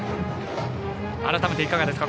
改めていかがですか？